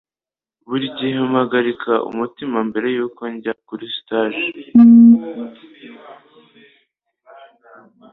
Buri gihe mpagarika umutima mbere yuko njya kuri stage